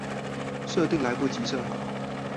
設定來不及設好